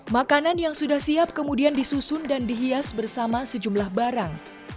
makanan yang sudah siap kemudian disusun dan dihias bersama sejumlah barang